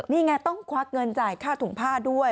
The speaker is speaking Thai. นี่ไงต้องควักเงินจ่ายค่าถุงผ้าด้วย